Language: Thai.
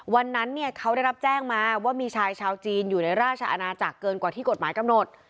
วันนั้นเนี่ยเขาได้รับแจ้งมาว่ามีชายชาวจีนอยู่ในราชอาณาจักรเกินกว่าที่กฎหมายกำหนด